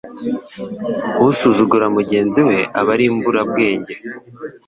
Usuzugura mugenzi we aba ari imburabwenge